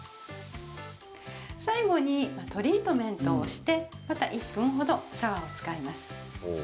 最後にトリートメントをしてまた１分程シャワーを使います。